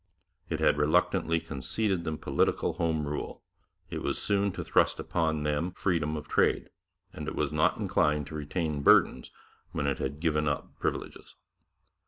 It had reluctantly conceded them political home rule; it was soon to thrust upon them freedom of trade; and it was not inclined to retain burdens when it had given up privileges.